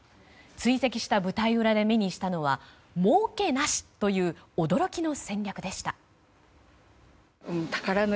追跡した舞台裏で目にしたのはもうけなしという驚きの戦略でした。